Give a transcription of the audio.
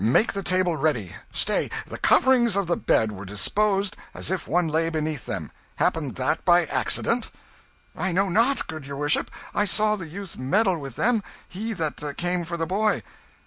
Make the table ready. Stay! the coverings of the bed were disposed as if one lay beneath them happened that by accident?" "I know not, good your worship. I saw the youth meddle with them he that came for the boy."